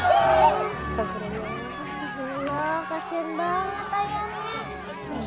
astagfirullah kasian banget ayamnya